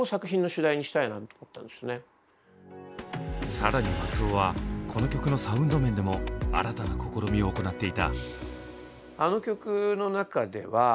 更に松尾はこの曲のサウンド面でも新たな試みを行っていた。